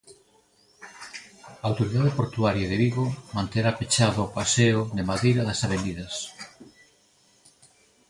A Autoridade Portuaria de Vigo manterá pechado o paseo de madeira das Avenidas.